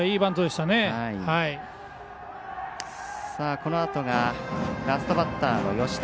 このあとがラストバッターの吉田。